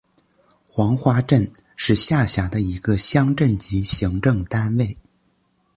黄花镇是下辖的一个乡镇级行政单位。